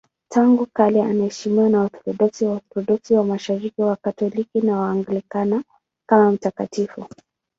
Tangu kale anaheshimiwa na Waorthodoksi, Waorthodoksi wa Mashariki, Wakatoliki na Waanglikana kama mtakatifu.